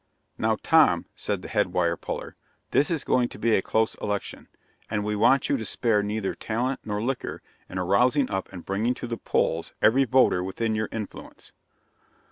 "Now, Tom," said the head wire puller, "this is going to be a close election, and we want you to spare neither talent nor liquor in arousing up and bringing to the polls every voter within your influence."